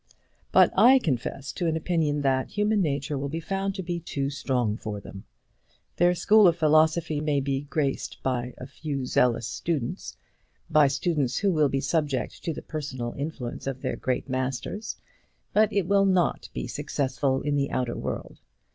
But I confess to an opinion that human nature will be found to be too strong for them. Their school of philosophy may be graced by a few zealous students, by students who will be subject to the personal influence of their great masters, but it will not be successful in the outer world.